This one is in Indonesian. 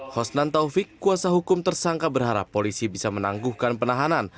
hosnan taufik kuasa hukum tersangka berharap polisi bisa menangguhkan penahanan